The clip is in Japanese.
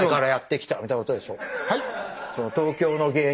はい？